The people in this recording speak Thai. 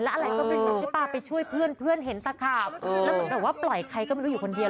แล้วอะไรก็ไปช่วยเพื่อนเพื่อนเห็นตะขาบแล้วเหมือนกับว่าปล่อยใครก็ไม่รู้อยู่คนเดียว